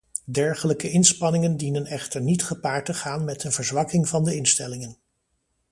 Dergelijke inspanningen dienen echter niet gepaard te gaan met een verzwakking van de instellingen.